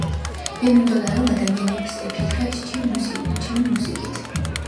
მე მინდოდა რომ ადამიანებს ეფიქრათ ჩემი მუსიკით.